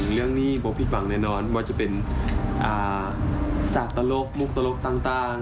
เรื่องนี้โบผิดหวังแน่นอนว่าจะเป็นสากตลกมุกตลกต่าง